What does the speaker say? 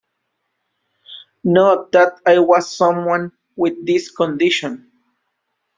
Not that I was someone with this condition.